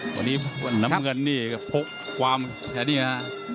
วันนี้น้ำเงินนี่พกความอันนี้นะครับ